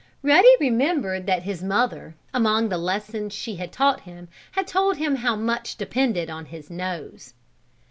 Ruddy remembered that his mother, among the lessons she had taught him, had told him how much depended on his nose.